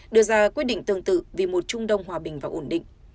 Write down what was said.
đưa ra quyết định tương tự vì một trung đông hòa bình và ổn định